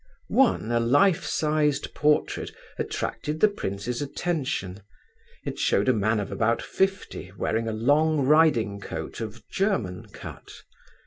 One, a life sized portrait, attracted the prince's attention. It showed a man of about fifty, wearing a long riding coat of German cut.